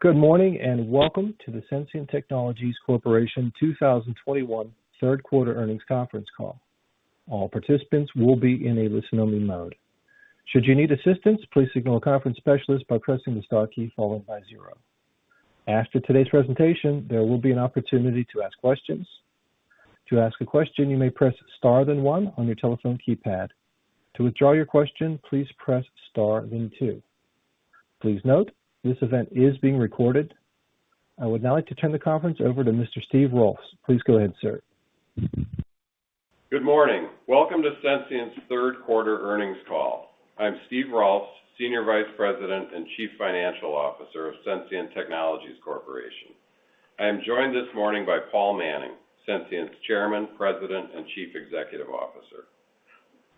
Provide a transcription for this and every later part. Good morning, and welcome to the Sensient Technologies Corporation 2021 third quarter earnings conference call. I would now like to turn the conference over to Mr. Steve Rolfs. Please go ahead, sir. Good morning. Welcome to Sensient's third quarter earnings call. I'm Steve Rolfs, Senior Vice President and Chief Financial Officer of Sensient Technologies Corporation. I am joined this morning by Paul Manning, Sensient's Chairman, President, and Chief Executive Officer.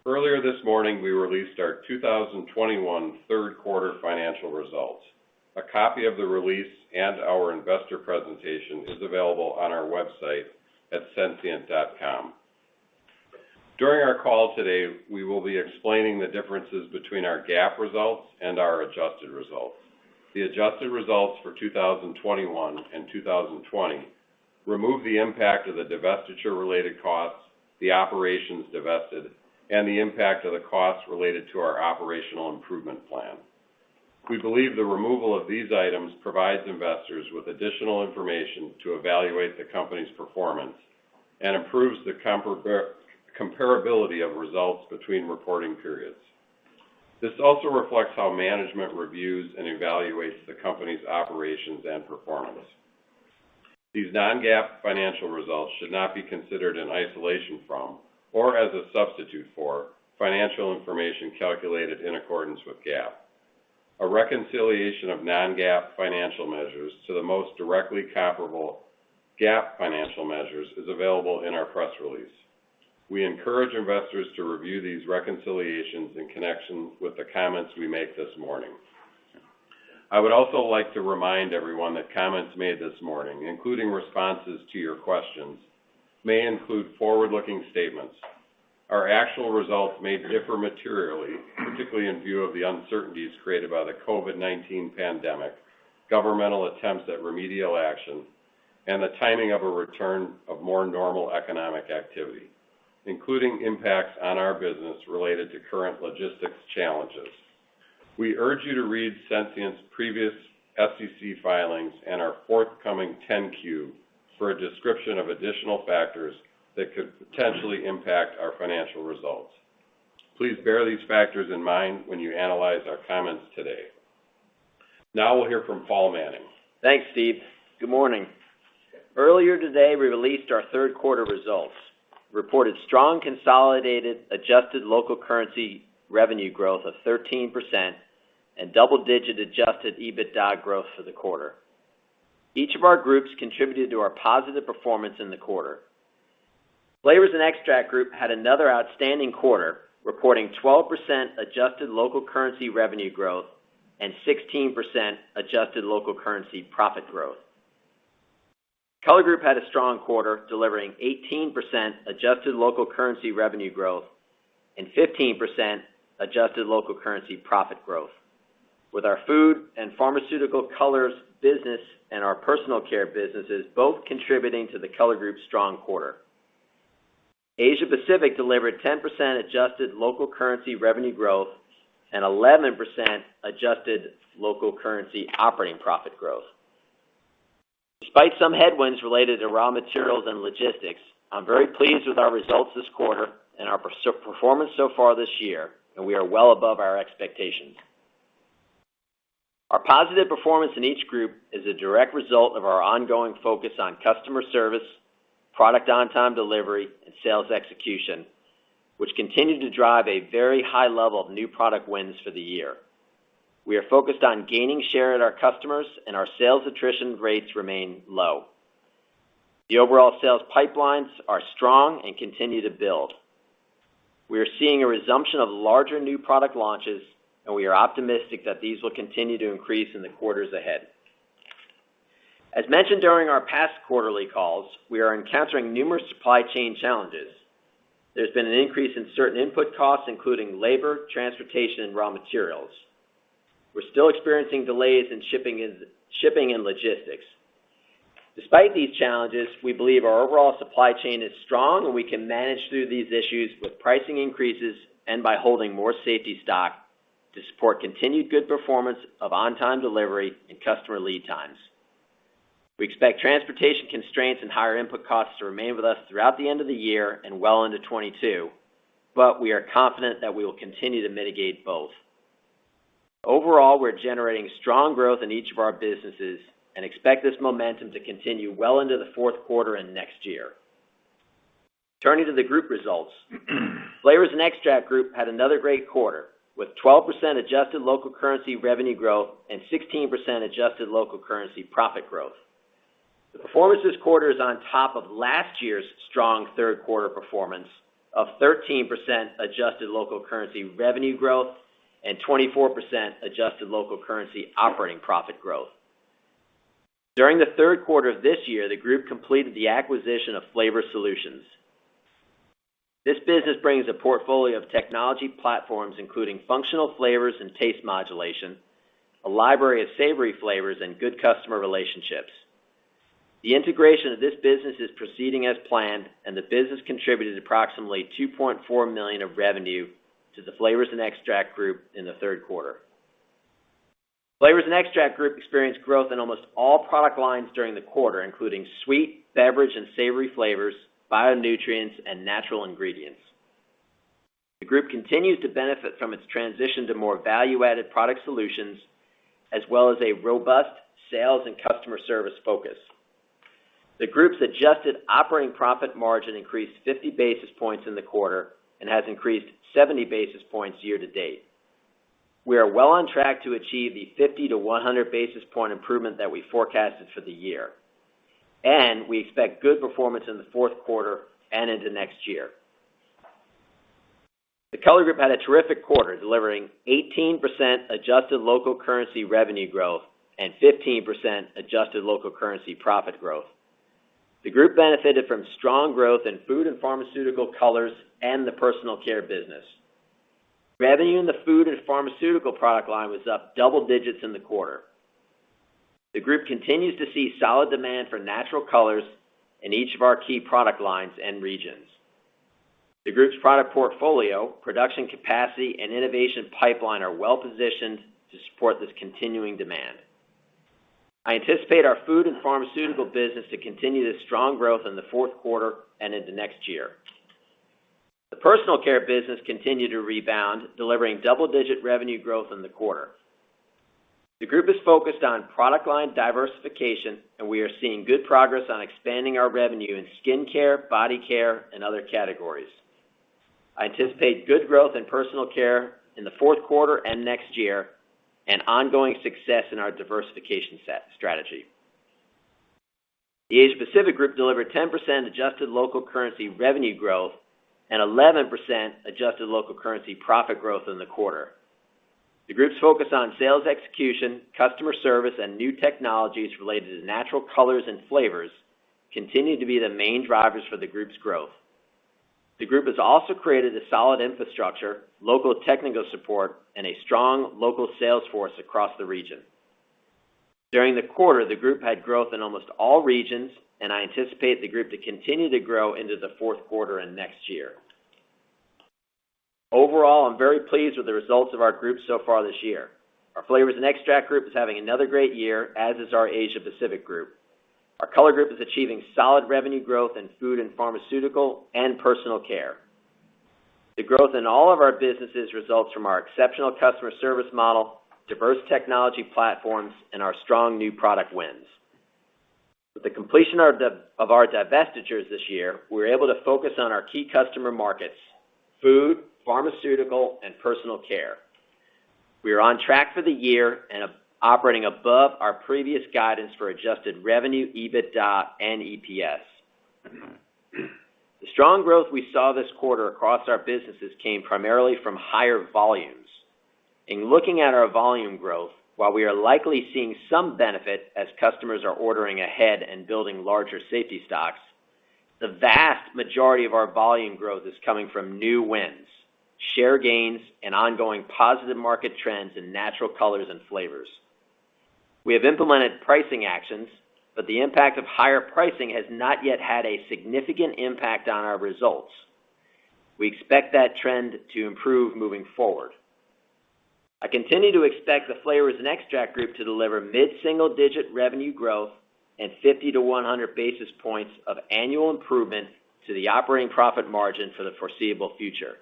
Earlier this morning, we released our 2021 third quarter financial results. A copy of the release and our investor presentation is available on our website at sensient.com. During our call today, we will be explaining the differences between our GAAP results and our adjusted results. The adjusted results for 2021 and 2020 remove the impact of the divestiture-related costs, the operations divested, and the impact of the costs related to our operational improvement plan. We believe the removal of these items provides investors with additional information to evaluate the company's performance and improves the comparability of results between reporting periods. This also reflects how management reviews and evaluates the company's operations and performance. These non-GAAP financial results should not be considered in isolation from, or as a substitute for, financial information calculated in accordance with GAAP. A reconciliation of non-GAAP financial measures to the most directly comparable GAAP financial measures is available in our press release. We encourage investors to review these reconciliations in connection with the comments we make this morning. I would also like to remind everyone that comments made this morning, including responses to your questions, may include forward-looking statements. Our actual results may differ materially, particularly in view of the uncertainties created by the COVID-19 pandemic, governmental attempts at remedial action, and the timing of a return of more normal economic activity, including impacts on our business related to current logistics challenges. We urge you to read Sensient's previous FCC filings and our forthcoming 10-Q for a description of additional factors that could potentially impact our financial results. Please bear these factors in mind when you analyze our comments today. Now we'll hear from Paul Manning. Thanks, Steve. Good morning. Earlier today, we released our third quarter results, reported strong consolidated adjusted local currency revenue growth of 13%, and double-digit adjusted EBITDA growth for the quarter. Each of our groups contributed to our positive performance in the quarter. Flavors & Extracts Group had another outstanding quarter, reporting 12% adjusted local currency revenue growth and 16% adjusted local currency profit growth. Color Group had a strong quarter, delivering 18% adjusted local currency revenue growth and 15% adjusted local currency profit growth. With our food and pharmaceutical colors business and our personal care businesses both contributing to the Color Group's strong quarter. Asia Pacific delivered 10% adjusted local currency revenue growth and 11% adjusted local currency operating profit growth. Despite some headwinds related to raw materials and logistics, I'm very pleased with our results this quarter and our performance so far this year, and we are well above our expectations. Our positive performance in each group is a direct result of our ongoing focus on customer service, product on-time delivery, and sales execution, which continue to drive a very high level of new product wins for the year. We are focused on gaining share at our customers and our sales attrition rates remain low. The overall sales pipelines are strong and continue to build. We are seeing a resumption of larger new product launches, and we are optimistic that these will continue to increase in the quarters ahead. As mentioned during our past quarterly calls, we are encountering numerous supply chain challenges. There's been an increase in certain input costs, including labor, transportation, and raw materials. We're still experiencing delays in shipping and logistics. Despite these challenges, we believe our overall supply chain is strong, and we can manage through these issues with pricing increases and by holding more safety stock to support continued good performance of on-time delivery and customer lead times. We expect transportation constraints and higher input costs to remain with us throughout the end of the year and well into 2022, but we are confident that we will continue to mitigate both. Overall, we're generating strong growth in each of our businesses and expect this momentum to continue well into the fourth quarter and next year. Turning to the group results, Flavors & Extracts Group had another great quarter, with 12% adjusted local currency revenue growth and 16% adjusted local currency profit growth. The performance this quarter is on top of last year's strong third quarter performance of 13% adjusted local currency revenue growth and 24% adjusted local currency operating profit growth. During the third quarter of this year, the group completed the acquisition of Flavor Solutions, Inc. This business brings a portfolio of technology platforms, including functional flavors and taste modulation, a library of savory flavors, and good customer relationships. The integration of this business is proceeding as planned, and the business contributed approximately $2.4 million of revenue to the Flavors & Extracts Group in the third quarter. Flavors & Extracts Group experienced growth in almost all product lines during the quarter, including sweet, beverage, and savory flavors, bio-nutrients, and natural ingredients. The group continues to benefit from its transition to more value-added product solutions, as well as a robust sales and customer service focus. The group's adjusted operating profit margin increased 50 basis points in the quarter and has increased 70 basis points year-to-date. We are well on track to achieve the 50 to 100 basis point improvement that we forecasted for the year, and we expect good performance in the fourth quarter and into next year. The Color Group had a terrific quarter, delivering 18% adjusted local currency revenue growth and 15% adjusted local currency profit growth. The group benefited from strong growth in food and pharmaceutical colors and the personal care business. Revenue in the food and pharmaceutical product line was up double digits in the quarter. The group continues to see solid demand for natural colors in each of our key product lines and regions. The group's product portfolio, production capacity, and innovation pipeline are well-positioned to support this continuing demand. I anticipate our food and pharmaceutical business to continue this strong growth in the fourth quarter and into next year. The personal care business continued to rebound, delivering double-digit revenue growth in the quarter. The group is focused on product line diversification, and we are seeing good progress on expanding our revenue in skincare, body care, and other categories. I anticipate good growth in personal care in the fourth quarter and next year, and ongoing success in our diversification strategy. The Asia Pacific Group delivered 10% adjusted local currency revenue growth and 11% adjusted local currency profit growth in the quarter. The group's focus on sales execution, customer service, and new technologies related to natural colors and flavors continue to be the main drivers for the group's growth. The group has also created a solid infrastructure, local technical support, and a strong local sales force across the region. During the quarter, the group had growth in almost all regions, and I anticipate the group to continue to grow into the fourth quarter and next year. Overall, I'm very pleased with the results of our groups so far this year. Our Flavors & Extracts Group is having another great year, as is our Asia Pacific Group. Our Color Group is achieving solid revenue growth in food and pharmaceutical and personal care. The growth in all of our businesses results from our exceptional customer service model, diverse technology platforms, and our strong new product wins. With the completion of our divestitures this year, we're able to focus on our key customer markets: food, pharmaceutical, and personal care. We are on track for the year and operating above our previous guidance for adjusted revenue, EBITDA, and EPS. The strong growth we saw this quarter across our businesses came primarily from higher volumes. In looking at our volume growth, while we are likely seeing some benefit as customers are ordering ahead and building larger safety stocks, the vast majority of our volume growth is coming from new wins, share gains, and ongoing positive market trends in natural colors and flavors. We have implemented pricing actions, but the impact of higher pricing has not yet had a significant impact on our results. We expect that trend to improve moving forward. I continue to expect the Flavors & Extracts Group to deliver mid-single-digit revenue growth and 50-100 basis points of annual improvement to the operating profit margin for the foreseeable future.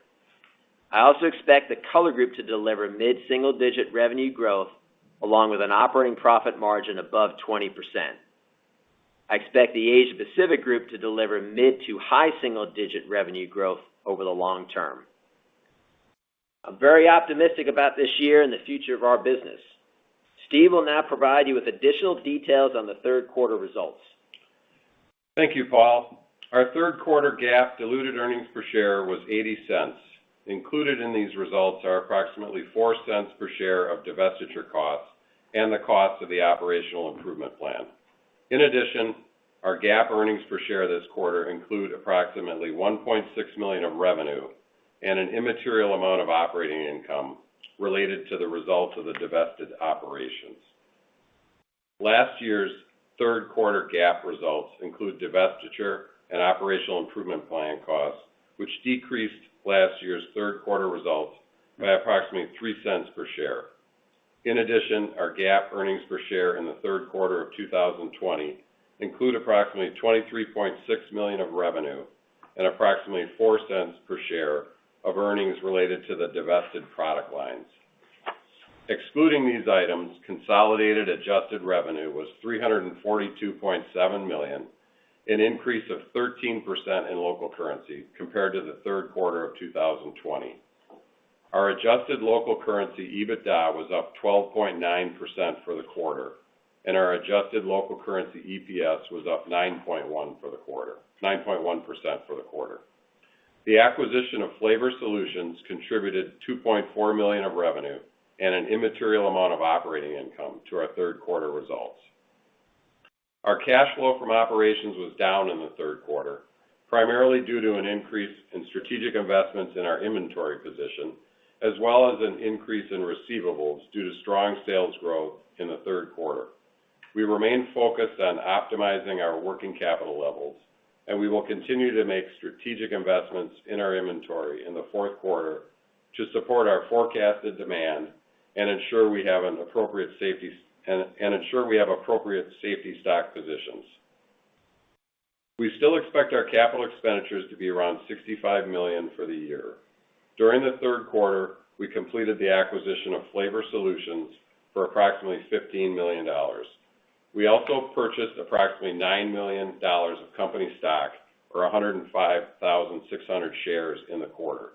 I also expect the Color Group to deliver mid-single-digit revenue growth, along with an operating profit margin above 20%. I expect the Asia Pacific Group to deliver mid to high single digit revenue growth over the long term. I'm very optimistic about this year and the future of our business. Steve will now provide you with additional details on the third quarter results. Thank you, Paul. Our third quarter GAAP diluted earnings per share was $0.80. Included in these results are approximately $0.04 per share of divestiture costs and the cost of the operational improvement plan. In addition, our GAAP earnings per share this quarter include approximately $1.6 million of revenue and an immaterial amount of operating income related to the results of the divested operations. Last year's third quarter GAAP results include divestiture and operational improvement plan costs, which decreased last year's third quarter results by approximately $0.03 per share. In addition, our GAAP earnings per share in the third quarter of 2020 include approximately $23.6 million of revenue and approximately $0.04 per share of earnings related to the divested product lines. Excluding these items, consolidated adjusted revenue was $342.7 million, an increase of 13% in local currency compared to the third quarter of 2020. Our adjusted local currency EBITDA was up 12.9% for the quarter, and our adjusted local currency EPS was up 9.1% for the quarter. The acquisition of Flavor Solutions contributed $2.4 million of revenue and an immaterial amount of operating income to our third quarter results. Our cash flow from operations was down in the third quarter, primarily due to an increase in strategic investments in our inventory position, as well as an increase in receivables due to strong sales growth in the third quarter. We remain focused on optimizing our working capital levels, and we will continue to make strategic investments in our inventory in the fourth quarter to support our forecasted demand and ensure we have appropriate safety stock positions. We still expect our capital expenditures to be around $65 million for the year. During the third quarter, we completed the acquisition of Flavor Solutions for approximately $15 million. We also purchased approximately $9 million of company stock, or 105,600 shares in the quarter,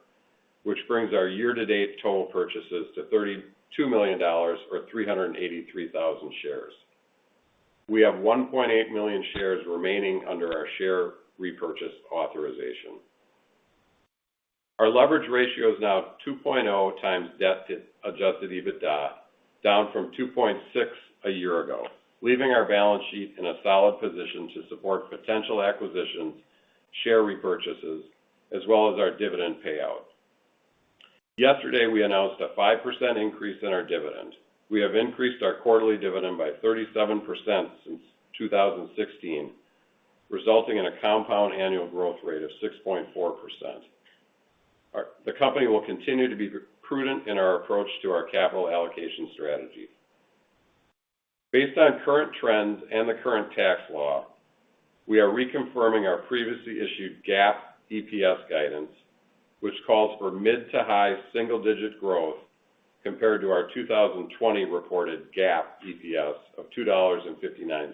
which brings our year-to-date total purchases to $32 million, or 383,000 shares. We have 1.8 million shares remaining under our share repurchase authorization. Our leverage ratio is now 2.0 times debt to adjusted EBITDA, down from 2.6 a year ago, leaving our balance sheet in a solid position to support potential acquisitions, share repurchases, as well as our dividend payout. Yesterday, we announced a 5% increase in our dividend. We have increased our quarterly dividend by 37% since 2016, resulting in a compound annual growth rate of 6.4%. The company will continue to be prudent in our approach to our capital allocation strategy. Based on current trends and the current tax law, we are reconfirming our previously issued GAAP EPS guidance, which calls for mid to high single-digit growth compared to our 2020 reported GAAP EPS of $2.59.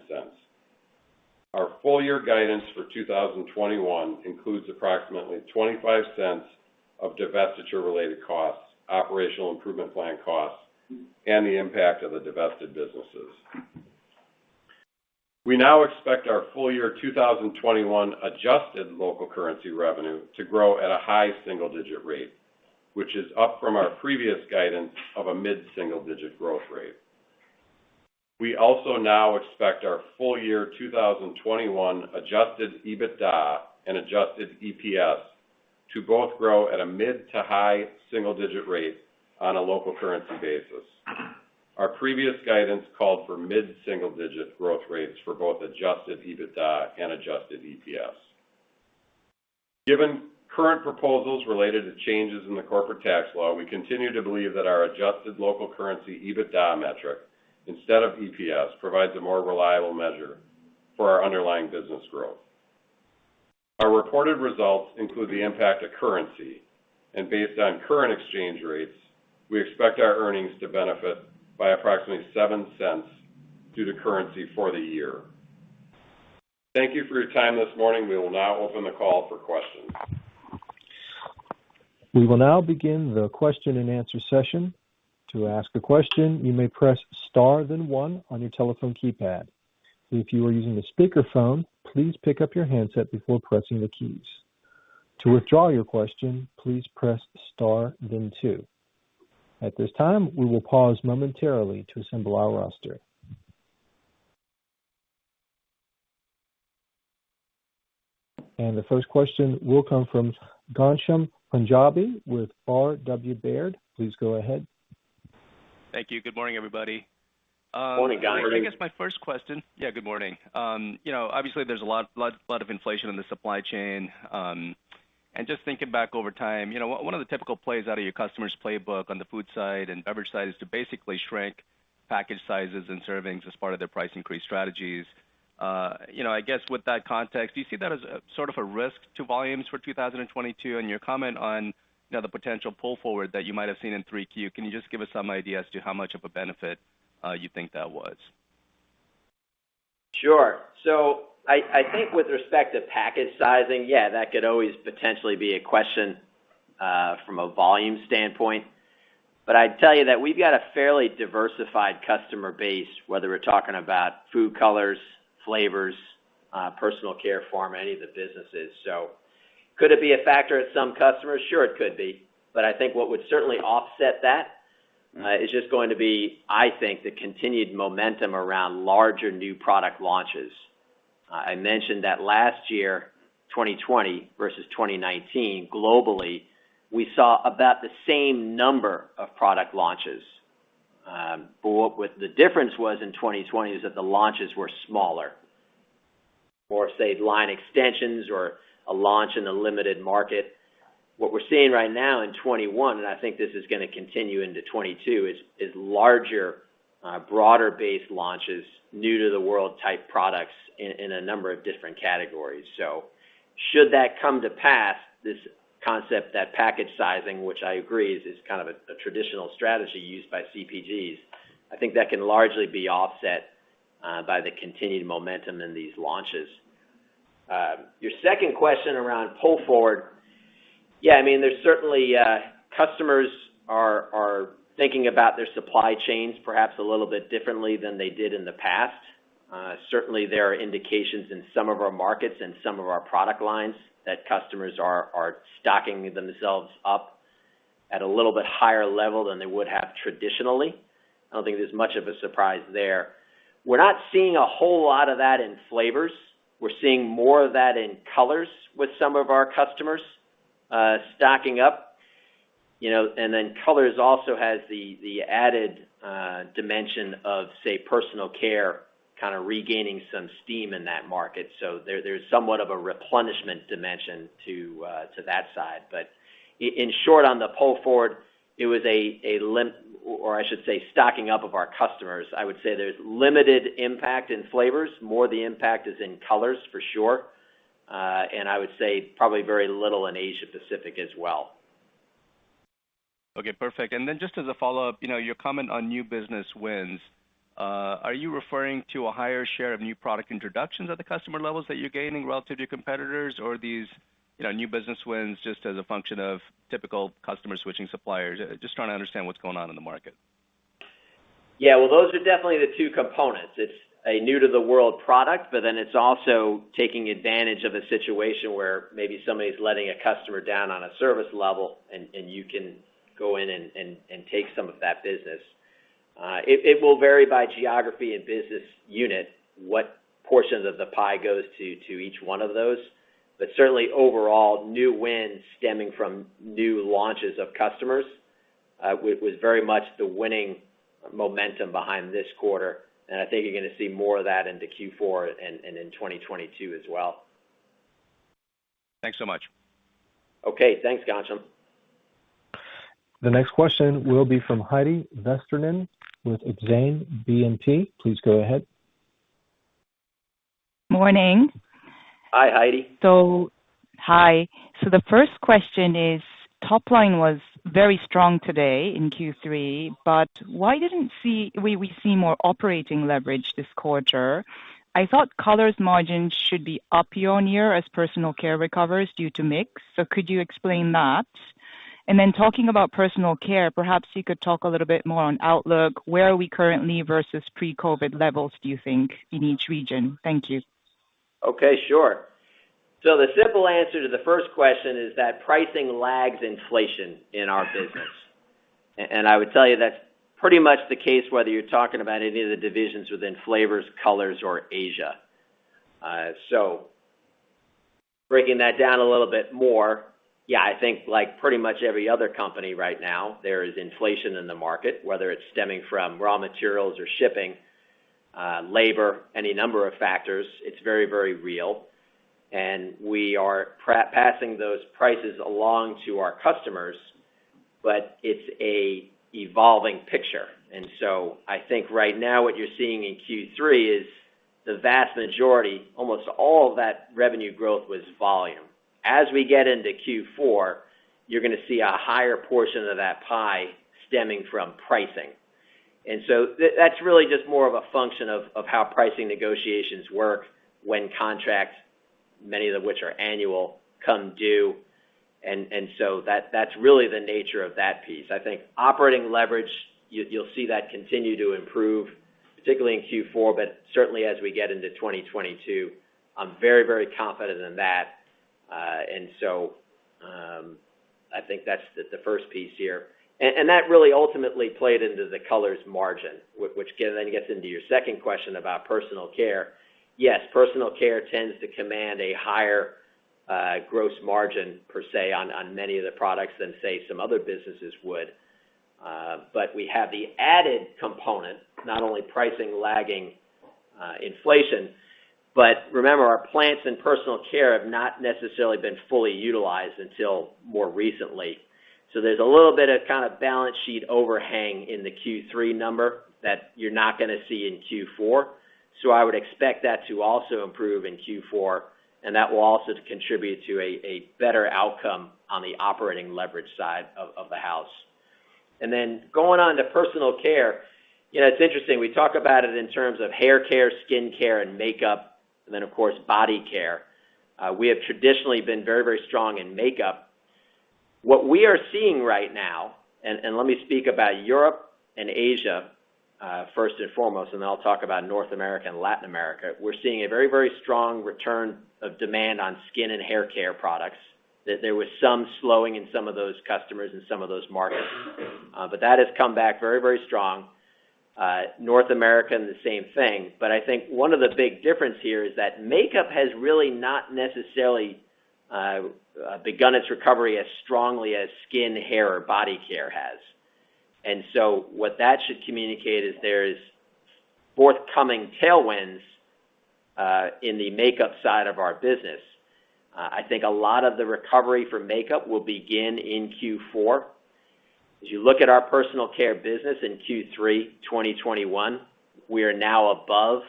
Our full-year guidance for 2021 includes approximately $0.25 of divestiture-related costs, operational improvement plan costs, and the impact of the divested businesses. We now expect our full-year 2021 adjusted local currency revenue to grow at a high single-digit rate, which is up from our previous guidance of a mid-single digit growth rate. We also now expect our full-year 2021 adjusted EBITDA and adjusted EPS to both grow at a mid to high single-digit rate on a local currency basis. Our previous guidance called for mid-single digit growth rates for both adjusted EBITDA and adjusted EPS. Given current proposals related to changes in the corporate tax law, we continue to believe that our adjusted local currency EBITDA metric, instead of EPS, provides a more reliable measure for our underlying business growth. Our reported results include the impact of currency, and based on current exchange rates, we expect our earnings to benefit by approximately $0.07 due to currency for the year. Thank you for your time this morning. We will now open the call for questions. The first question will come from Ghansham Panjabi with R.W. Baird. Please go ahead. Thank you. Good morning, everybody. Morning, Ghansham. Good morning. Obviously, there's a lot of inflation in the supply chain. Just thinking back over time, one of the typical plays out of your customer's playbook on the food side and beverage side is to basically shrink package sizes and servings as part of their price increase strategies. I guess with that context, do you see that as sort of a risk to volumes for 2022? Your comment on the potential pull forward that you might have seen in 3Q, can you just give us some idea as to how much of a benefit you think that was? Sure. I think with respect to package sizing, yeah, that could always potentially be a question from a volume standpoint. I'd tell you that we've got a fairly diversified customer base, whether we're talking about food colors, flavors, personal care, pharma, any of the businesses. Could it be a factor at some customers? Sure, it could be. I think what would certainly offset that is just going to be, I think, the continued momentum around larger new product launches. I mentioned that last year, 2020 versus 2019, globally, we saw about the same number of product launches. What the difference was in 2020 is that the launches were smaller, or say, line extensions or a launch in a limited market. What we're seeing right now in 2021, and I think this is going to continue into 2022, is larger, broader-based launches, new to the world type products in a number of different categories. Should that come to pass, this concept that package sizing, which I agree is kind of a traditional strategy used by CPGs, I think that can largely be offset by the continued momentum in these launches. Your second question around pull forward. Yeah, there's certainly customers are thinking about their supply chains perhaps a little bit differently than they did in the past. Certainly, there are indications in some of our markets and some of our product lines that customers are stocking themselves up. At a little bit higher level than they would have traditionally. I don't think there's much of a surprise there. We're not seeing a whole lot of that in Flavors. We're seeing more of that in Colors with some of our customers stocking up. Colors also has the added dimension of, say, personal care kind of regaining some steam in that market. There's somewhat of a replenishment dimension to that side. In short, on the pull forward, it was stocking up of our customers. I would say there's limited impact in Flavors. More the impact is in Colors, for sure. I would say probably very little in Asia Pacific as well. Okay, perfect. Just as a follow-up, your comment on new business wins, are you referring to a higher share of new product introductions at the customer levels that you're gaining relative to your competitors, or are these new business wins just as a function of typical customer switching suppliers? Just trying to understand what's going on in the market. Yeah. Well, those are definitely the two components. It's a new-to-the-world product, but then it's also taking advantage of a situation where maybe somebody's letting a customer down on a service level, and you can go in and take some of that business. It will vary by geography and business unit, what portions of the pie goes to each one of those. Certainly overall, new wins stemming from new launches of customers, was very much the winning momentum behind this quarter. I think you're going to see more of that into Q4 and in 2022 as well. Thanks so much. Okay. Thanks, Ghansham Panjabi. The next question will be from Heidi Vesterinen with Exane BNP. Please go ahead. Morning. Hi, Heidi. Hi. The first question is, top line was very strong today in Q3, but why didn't we see more operating leverage this quarter? I thought Color Group margins should be up year-on-year as personal care recovers due to mix. Could you explain that? Talking about personal care, perhaps you could talk a little bit more on outlook. Where are we currently versus pre-COVID levels, do you think, in each region? Thank you. Okay, sure. The simple answer to the first question is that pricing lags inflation in our business. I would tell you that's pretty much the case whether you're talking about any of the divisions within flavors, colors or Asia. Breaking that down a little bit more, yeah, I think like pretty much every other company right now, there is inflation in the market, whether it's stemming from raw materials or shipping, labor, any number of factors. It's very, very real. We are passing those prices along to our customers, but it's an evolving picture. I think right now what you're seeing in Q3 is the vast majority, almost all of that revenue growth was volume. As we get into Q4, you're going to see a higher portion of that pie stemming from pricing. That's really just more of a function of how pricing negotiations work when contracts, many of which are annual, come due. That's really the nature of that piece. I think operating leverage, you'll see that continue to improve, particularly in Q4, but certainly as we get into 2022. I'm very confident in that. I think that's the first piece here. That really ultimately played into the colors margin, which then gets into your second question about personal care. Yes, personal care tends to command a higher gross margin, per se, on many of the products than, say, some other businesses would. We have the added component, not only pricing lagging inflation, but remember our plants in personal care have not necessarily been fully utilized until more recently. There's a little bit of kind of balance sheet overhang in the Q3 number that you're not going to see in Q4. I would expect that to also improve in Q4, and that will also contribute to a better outcome on the operating leverage side of the house. Going on to personal care. It's interesting. We talk about it in terms of hair care, skin care, and makeup, and then, of course, body care. We have traditionally been very, very strong in makeup. What we are seeing right now, and let me speak about Europe and Asia first and foremost, and then I'll talk about North America and Latin America. We're seeing a very, very strong return of demand on skin and hair care products. There was some slowing in some of those customers and some of those markets. That has come back very, very strong. North America, the same thing. I think one of the big difference here is that makeup has really not necessarily begun its recovery as strongly as skin, hair, or body care has. What that should communicate is there is forthcoming tailwinds in the makeup side of our business. I think a lot of the recovery for makeup will begin in Q4. As you look at our personal care business in Q3 2021, we are now above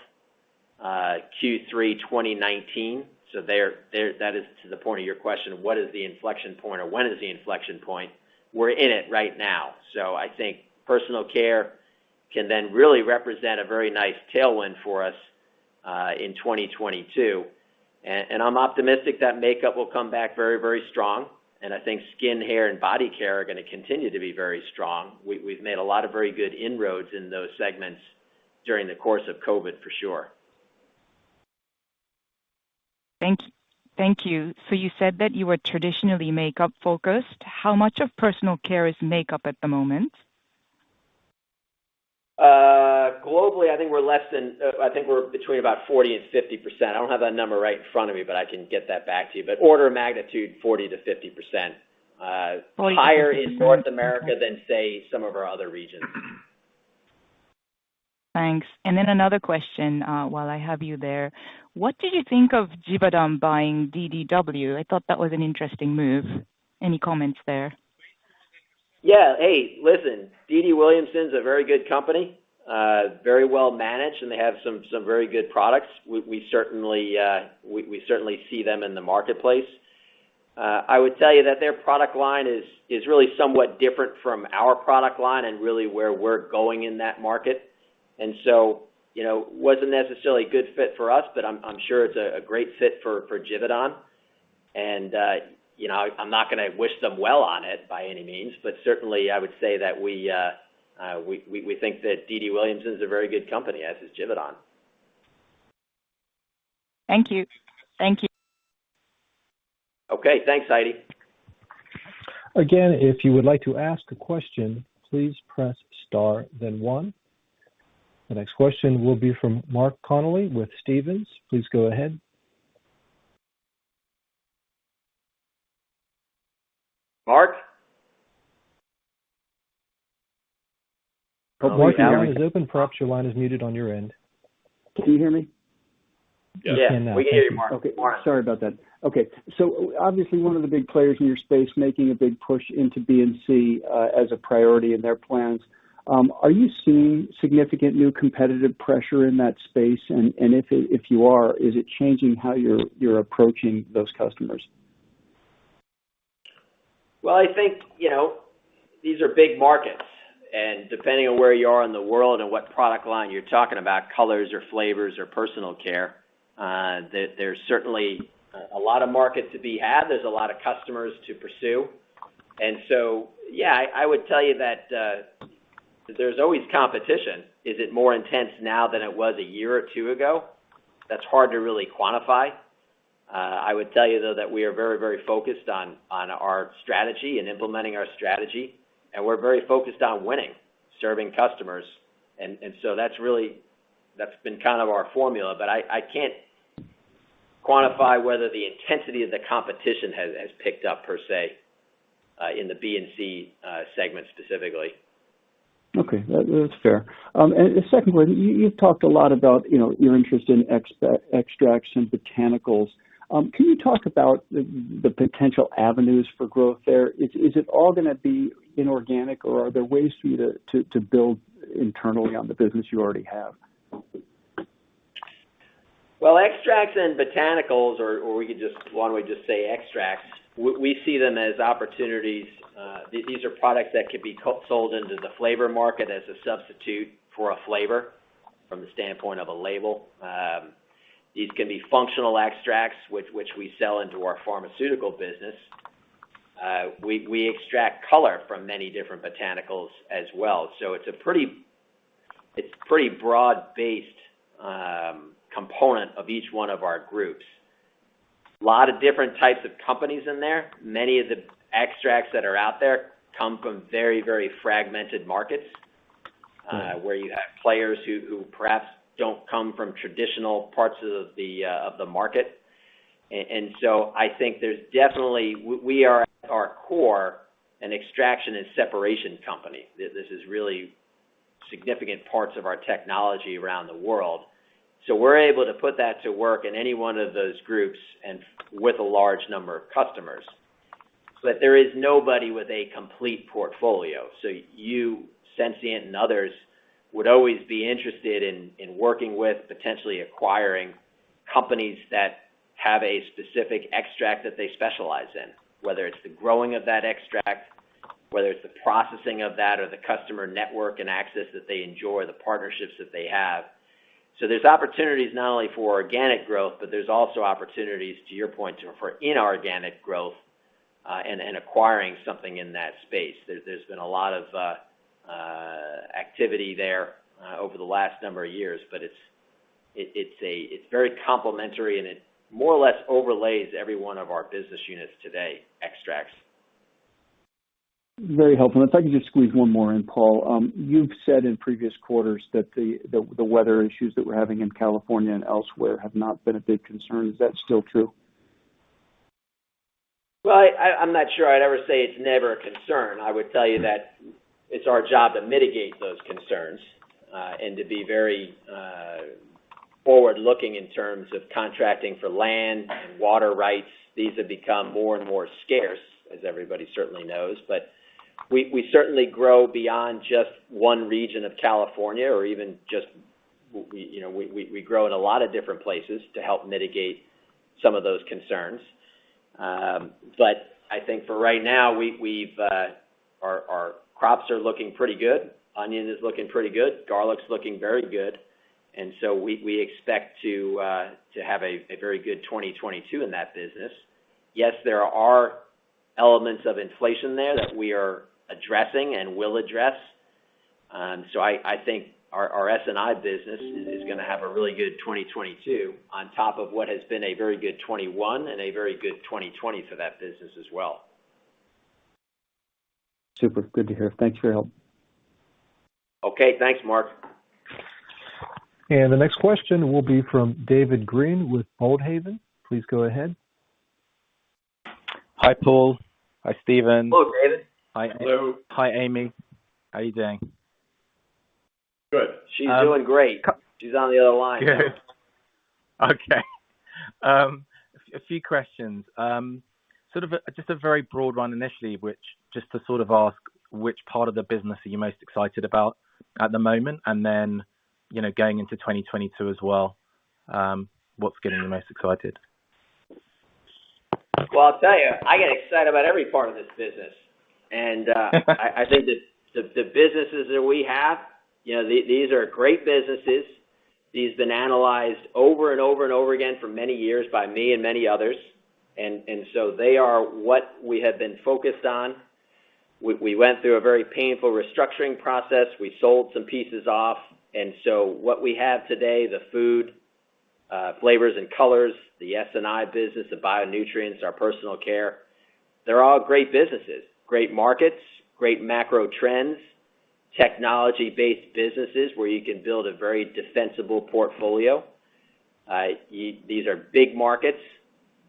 Q3 2019. That is to the point of your question of what is the inflection point or when is the inflection point? We're in it right now. I think personal care can then really represent a very nice tailwind for us in 2022. I'm optimistic that makeup will come back very, very strong. I think skin, hair, and body care are going to continue to be very strong. We've made a lot of very good inroads in those segments during the course of COVID for sure. Thank you. You said that you were traditionally makeup focused. How much of personal care is makeup at the moment? Globally, I think we're between about 40%-50%. I don't have that number right in front of me, but I can get that back to you. Order of magnitude, 40%-50%. Higher in North America than, say, some of our other regions. Thanks. Another question while I have you there. What did you think of Givaudan buying DDW? I thought that was an interesting move. Any comments there? Yeah. Hey, listen, D.D. Williamson is a very good company. Very well managed, they have some very good products. We certainly see them in the marketplace. I would tell you that their product line is really somewhat different from our product line and really where we're going in that market. It wasn't necessarily a good fit for us, but I'm sure it's a great fit for Givaudan. I'm not going to wish them well on it by any means, but certainly, I would say that we think that D.D. Williamson is a very good company, as is Givaudan. Thank you. Okay. Thanks, Heidi. If you would like to ask a question, please press star then one. The next question will be from Mark Connelly with Stephens. Please go ahead. Mark? Mark, your line is open. Perhaps your line is muted on your end. Can you hear me? Yes. We can hear you, Mark. Yes, now. Thank you. Okay. Sorry about that. Okay. Obviously, one of the big players in your space making a big push into B&C as a priority in their plans. Are you seeing significant new competitive pressure in that space? If you are, is it changing how you're approaching those customers? Well, I think these are big markets, and depending on where you are in the world and what product line you're talking about, colors or flavors or personal care, there's certainly a lot of market to be had. There's a lot of customers to pursue. Yeah, I would tell you that there's always competition. Is it more intense now than it was a year or two ago? That's hard to really quantify. I would tell you, though, that we are very focused on our strategy and implementing our strategy, and we're very focused on winning, serving customers. That's been kind of our formula, but I can't quantify whether the intensity of the competition has picked up, per se, in the B&C segment specifically. Okay. That's fair. Secondly, you've talked a lot about your interest in extracts and botanicals. Can you talk about the potential avenues for growth there? Is it all going to be inorganic, or are there ways for you to build internally on the business you already have? Well, extracts and botanicals, or why don't we just say extracts, we see them as opportunities. These are products that could be sold into the flavor market as a substitute for a flavor from the standpoint of a label. These can be functional extracts, which we sell into our pharmaceutical business. We extract color from many different botanicals as well. It's a pretty broad-based component of each one of our groups. A lot of different types of companies in there. Many of the extracts that are out there come from very fragmented markets, where you have players who perhaps don't come from traditional parts of the market. I think there's definitely, we are at our core, an extraction and separation company. This is really significant parts of our technology around the world. We're able to put that to work in any one of those groups and with a large number of customers. But there is nobody with a complete portfolio. You, Sensient, and others would always be interested in working with, potentially acquiring companies that have a specific extract that they specialize in, whether it's the growing of that extract, whether it's the processing of that or the customer network and access that they enjoy, the partnerships that they have. There's opportunities not only for organic growth, but there's also opportunities, to your point, too, for inorganic growth, and acquiring something in that space. There's been a lot of activity there over the last number of years, but it's very complementary, and it more or less overlays every one of our business units today, extracts. Very helpful. If I could just squeeze one more in, Paul. You've said in previous quarters that the weather issues that we're having in California and elsewhere have not been a big concern. Is that still true? Well, I'm not sure I'd ever say it's never a concern. I would tell you that it's our job to mitigate those concerns, and to be very forward-looking in terms of contracting for land and water rights. These have become more and more scarce, as everybody certainly knows. We certainly grow beyond just one region of California or We grow in a lot of different places to help mitigate some of those concerns. I think for right now, our crops are looking pretty good. Onion is looking pretty good. Garlic's looking very good. We expect to have a very good 2022 in that business. Yes, there are elements of inflation there that we are addressing and will address. I think our SNI business is going to have a really good 2022 on top of what has been a very good 2021 and a very good 2020 for that business as well. Super, good to hear. Thanks for your help. Okay. Thanks, Mark. The next question will be from David Green with Boldhaven. Please go ahead. Hi, Paul. Hi, Steve. Hello, David. Hello. Hi, Amy. How are you doing? Good. She's doing great. She's on the other line. Okay. A few questions. Sort of just a very broad one initially, which just to sort of ask which part of the business are you most excited about at the moment, and then going into 2022 as well, what's getting you most excited? I'll tell you, I get excited about every part of this business. I think that the businesses that we have, these are great businesses. These have been analyzed over and over and over again for many years by me and many others. They are what we have been focused on. We went through a very painful restructuring process. We sold some pieces off. What we have today, the food, flavors and colors, the S&I business, the bio-nutrients, our personal care, they're all great businesses, great markets, great macro trends, technology-based businesses where you can build a very defensible portfolio. These are big markets.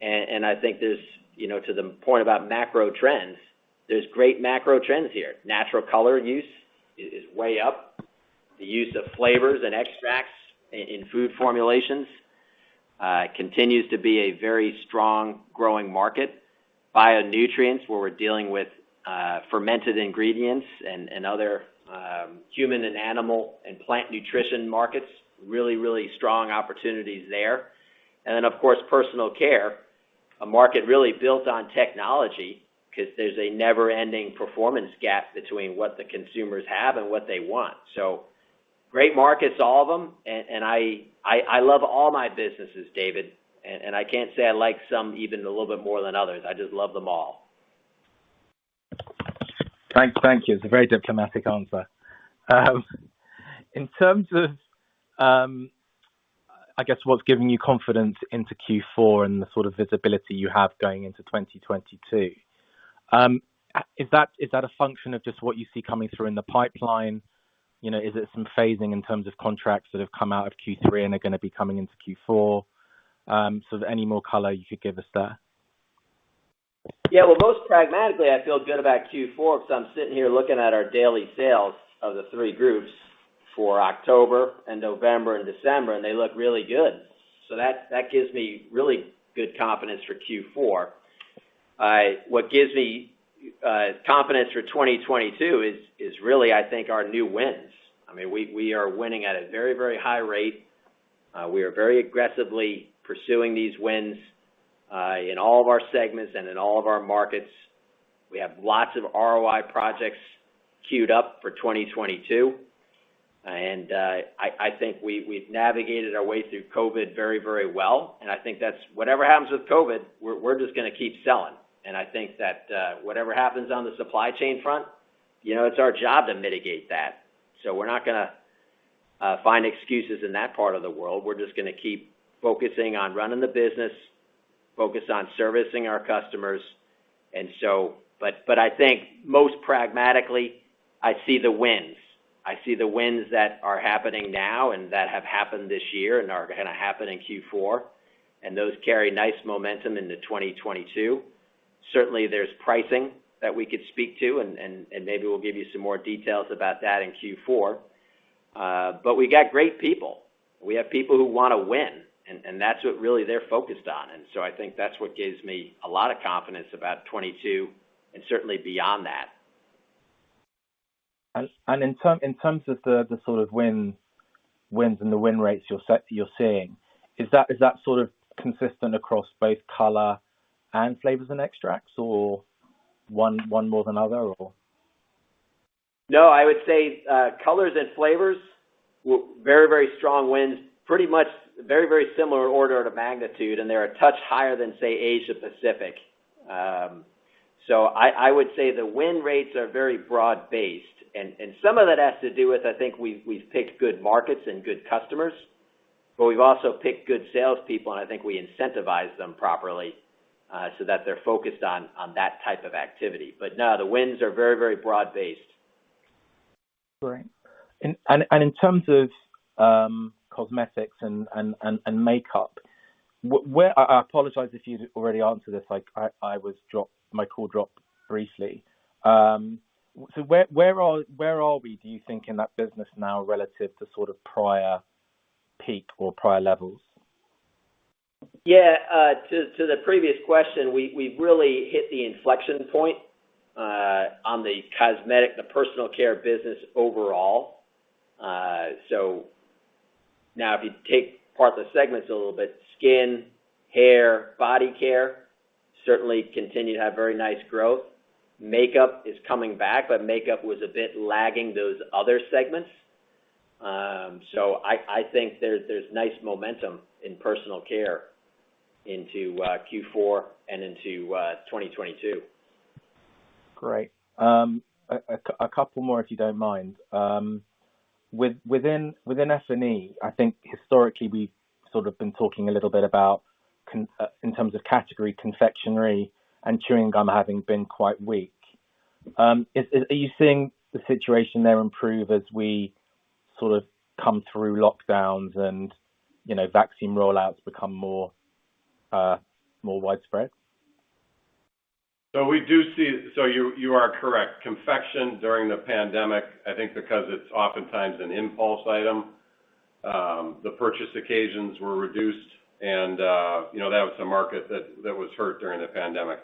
I think to the point about macro trends, there are great macro trends here. Natural color use is way up. The use of flavors and extracts in food formulations continues to be a very strong growing market. Bio-nutrients, where we're dealing with fermented ingredients and other human and animal and plant nutrition markets, really strong opportunities there. Then, of course, personal care, a market really built on technology because there's a never-ending performance gap between what the consumers have and what they want. Great markets, all of them. I love all my businesses, David. I can't say I like some even a little bit more than others. I just love them all. Thank you. It's a very diplomatic answer. In terms of, I guess, what's giving you confidence into Q4 and the sort of visibility you have going into 2022? Is that a function of just what you see coming through in the pipeline? Is it some phasing in terms of contracts that have come out of Q3 and are going to be coming into Q4? Any more color you could give us there? Well, most pragmatically, I feel good about Q4 because I'm sitting here looking at our daily sales of the three groups for October, November, and December, and they look really good. That gives me really good confidence for Q4. What gives me confidence for 2022 is really, I think, our new wins. We are winning at a very, very high rate. We are very aggressively pursuing these wins in all of our segments and in all of our markets. We have lots of ROI projects queued up for 2022. I think we've navigated our way through COVID very, very well. I think that whatever happens with COVID, we're just going to keep selling. I think that whatever happens on the supply chain front, it's our job to mitigate that. We're not going to find excuses in that part of the world. We're just going to keep focusing on running the business, focus on servicing our customers. I think most pragmatically, I see the wins. I see the wins that are happening now and that have happened this year and are going to happen in Q4. Those carry nice momentum into 2022. Certainly, there's pricing that we could speak to, and maybe we'll give you some more details about that in Q4. We got great people. We have people who want to win, and that's what really they're focused on. I think that's what gives me a lot of confidence about 2022 and certainly beyond that. In terms of the sort of wins and the win rates you're seeing, is that sort of consistent across both color and flavors and extracts or one more than other? No, I would say colors and flavors, very, very strong wins, pretty much very, very similar order to magnitude, and they're a touch higher than, say, Asia-Pacific. I would say the win rates are very broad-based. Some of that has to do with, I think we've picked good markets and good customers, but we've also picked good salespeople, and I think we incentivize them properly so that they're focused on that type of activity. No, the wins are very, very broad-based. Great. In terms of cosmetics and makeup, I apologize if you already answered this. My call dropped briefly. Where are we, do you think, in that business now relative to sort of prior peak or prior levels? Yeah. To the previous question, we've really hit the inflection point on the cosmetic, the personal care business overall. Now if you take apart the segments a little bit, skin, hair, body care certainly continue to have very nice growth. Makeup is coming back, but makeup was a bit lagging those other segments. I think there's nice momentum in personal care into Q4 and into 2022. Great. A couple more if you don't mind. Within S&I think historically, we've sort of been talking a little bit about in terms of category, confectionery and chewing gum having been quite weak. Are you seeing the situation there improve as we sort of come through lockdowns and vaccine rollouts become more widespread? You are correct. Confection during the pandemic, I think because it's oftentimes an impulse item, the purchase occasions were reduced and that was the market that was hurt during the pandemic.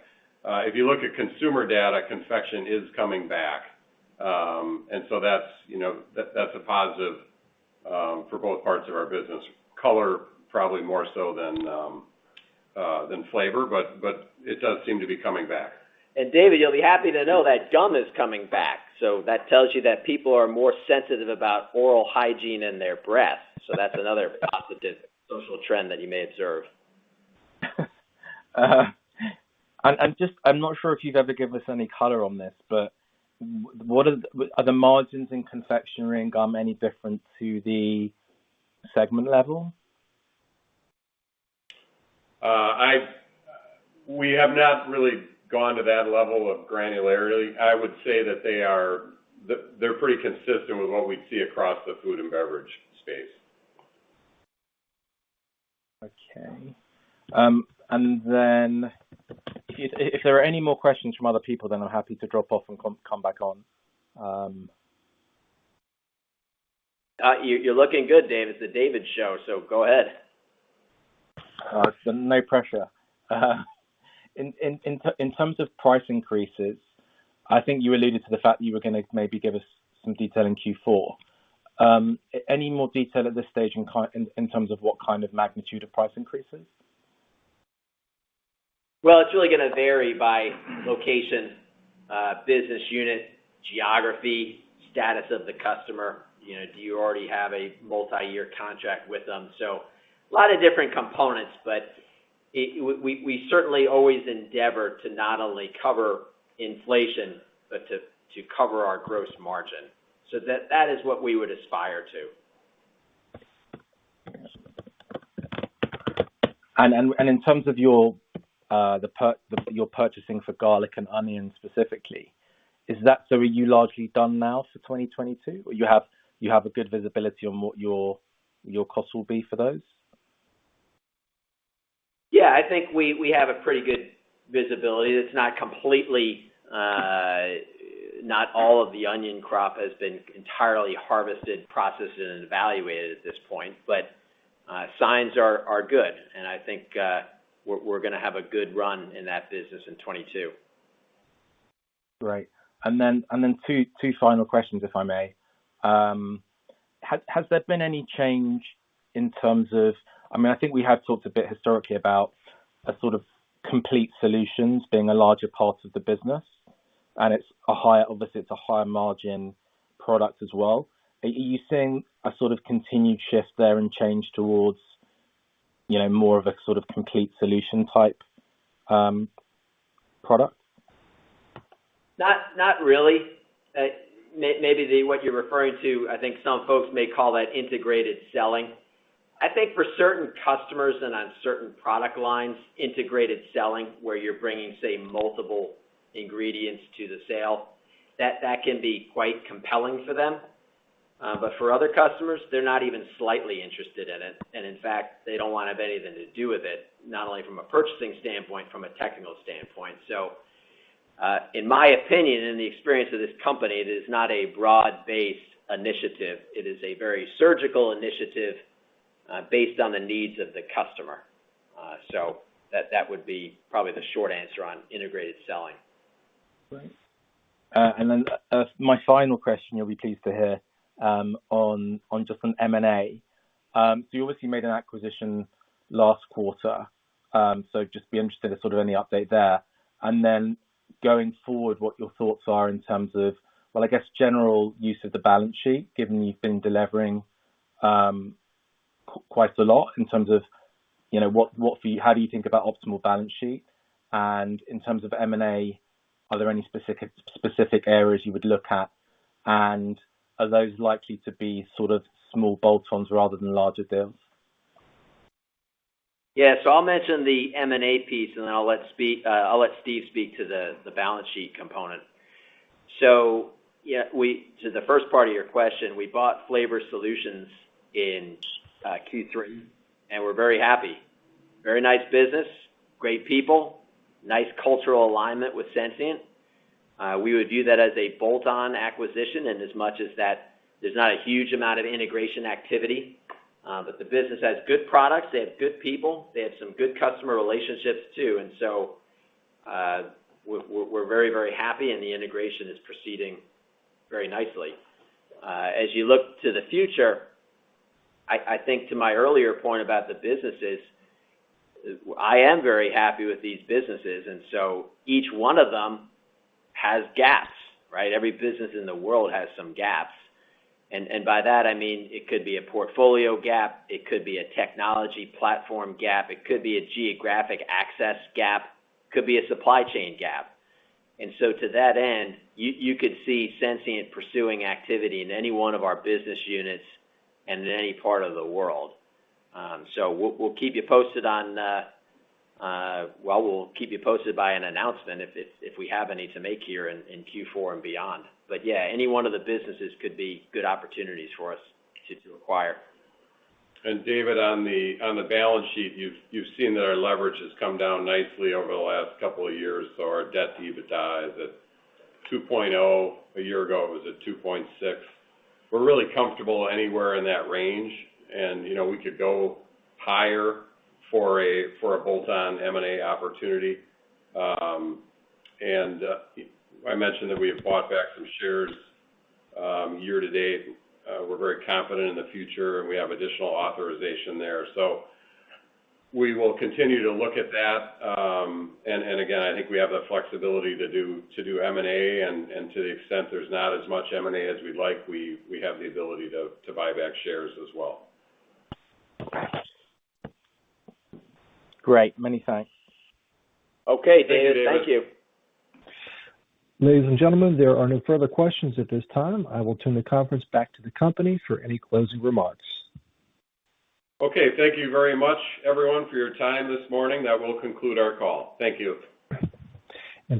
If you look at consumer data, confection is coming back. And so that's a positive for both parts of our business. Color probably more so than flavor, but it does seem to be coming back. David, you'll be happy to know that gum is coming back, that tells you that people are more sensitive about oral hygiene and their breath. That's another positive social trend that you may observe. I'm not sure if you'd ever give us any color on this, but are the margins in confectionery and gum any different to the segment level? We have not really gone to that level of granularity. I would say that they're pretty consistent with what we'd see across the food and beverage space. Okay. If there are any more questions from other people, then I'm happy to drop off and come back on. You're looking good, David. It's the David show. Go ahead. Awesome. No pressure. In terms of price increases, I think you alluded to the fact you were going to maybe give us some detail in Q4. Any more detail at this stage in terms of what kind of magnitude of price increases? Well, it's really gonna vary by location, business unit, geography, status of the customer, do you already have a multi-year contract with them? A lot of different components, but we certainly always endeavor to not only cover inflation but to cover our gross margin. That is what we would aspire to. In terms of your purchasing for garlic and onions specifically, are you largely done now for 2022? Or you have a good visibility on what your costs will be for those? Yeah, I think we have a pretty good visibility. Not all of the onion crop has been entirely harvested, processed, and evaluated at this point, but signs are good, and I think we're gonna have a good run in that business in 2022. Right. Two final questions, if I may. Has there been any change in terms of I think we have talked a bit historically about a sort of complete solutions being a larger part of the business, and obviously it's a higher margin product as well. Are you seeing a sort of continued shift there and change towards more of a sort of complete solution type product? Not really. Maybe what you're referring to, I think some folks may call that integrated selling. I think for certain customers and on certain product lines, integrated selling, where you're bringing, say, multiple ingredients to the sale, that can be quite compelling for them. For other customers, they're not even slightly interested in it. In fact, they don't want to have anything to do with it, not only from a purchasing standpoint, from a technical standpoint. In my opinion, in the experience of this company, it is not a broad-based initiative. It is a very surgical initiative based on the needs of the customer. That would be probably the short answer on integrated selling. Great. My final question, you'll be pleased to hear, on just on M&A. You obviously made an acquisition last quarter, just be interested in sort of any update there. Going forward, what your thoughts are in terms of, well, I guess general use of the balance sheet, given you've been delevering quite a lot in terms of how do you think about optimal balance sheet? In terms of M&A, are there any specific areas you would look at? Are those likely to be sort of small bolt-ons rather than larger deals? Yeah. I'll mention the M&A piece, and then I'll let Steve speak to the balance sheet component. To the first part of your question, we bought Flavor Solutions in Q3, and we're very happy. Very nice business, great people, nice cultural alignment with Sensient. We would view that as a bolt-on acquisition in as much as that there's not a huge amount of integration activity. The business has good products. They have good people. They have some good customer relationships, too. We're very happy, and the integration is proceeding very nicely. As you look to the future, I think to my earlier point about the businesses, I am very happy with these businesses, and so each one of them has gaps, right? Every business in the world has some gaps. By that, I mean it could be a portfolio gap, it could be a technology platform gap, it could be a geographic access gap, could be a supply chain gap. To that end, you could see Sensient pursuing activity in any one of our business units and in any part of the world. We'll keep you posted by an announcement if we have any to make here in Q4 and beyond. Yeah, any one of the businesses could be good opportunities for us to acquire. David, on the balance sheet, you've seen that our leverage has come down nicely over the last couple of years. Our debt to EBITDA is at 2.0. A year ago, it was at 2.6. We're really comfortable anywhere in that range, and we could go higher for a bolt-on M&A opportunity. I mentioned that we have bought back some shares year to date. We're very confident in the future, and we have additional authorization there. We will continue to look at that. Again, I think we have the flexibility to do M&A, and to the extent there's not as much M&A as we'd like, we have the ability to buy back shares as well. Okay. Great. Many thanks. Okay, David. Thank you. Thank you, David. Ladies and gentlemen, there are no further questions at this time. I will turn the conference back to the company for any closing remarks. Okay. Thank you very much, everyone, for your time this morning. That will conclude our call. Thank you.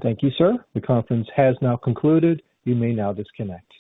Thank you, sir. The conference has now concluded. You may now disconnect.